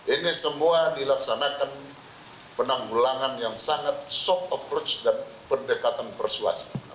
ini semua dilaksanakan penanggulangan yang sangat soft approach dan pendekatan persuasi